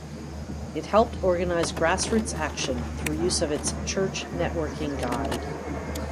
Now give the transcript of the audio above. It helped organize grassroots action through use of its "Church Networking Guide".